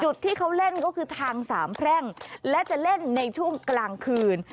จุดที่เขาเล่นก็คือทางสามแพร่งและจะเล่นในช่วงกลางคืน